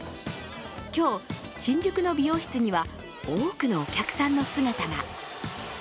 今日、新宿の美容室には多くのお客さんの姿が。